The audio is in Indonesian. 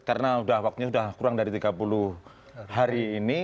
karena udah waktu kurang dari tiga puluh hari ini